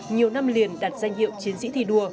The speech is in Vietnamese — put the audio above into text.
nhiều năm liền đạt danh hiệu chiến sĩ thi đua